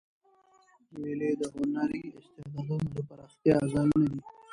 مېلې د هنري استعدادو د پراختیا ځایونه دي.